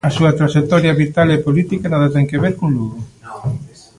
A súa traxectoria vital e política nada ten que ver con Lugo.